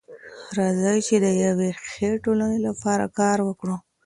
راځئ چي د يوې ښې ټولني لپاره کار وکړو.